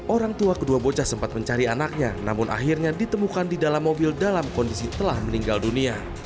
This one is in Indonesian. orang tua kedua bocah sempat mencari anaknya namun akhirnya ditemukan di dalam mobil dalam kondisi telah meninggal dunia